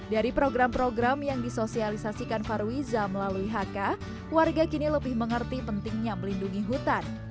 dari program program yang disosialisasikan farwiza melalui haka warga kini lebih mengerti pentingnya melindungi hutan